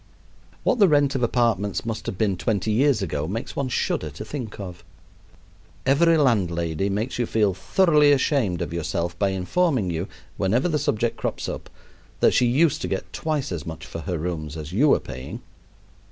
What the rent of apartments must have been twenty years ago makes one shudder to think of. Every landlady makes you feel thoroughly ashamed of yourself by informing you, whenever the subject crops up, that she used to get twice as much for her rooms as you are paying.